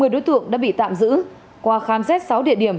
một mươi đối tượng đã bị tạm giữ qua khám xét sáu địa điểm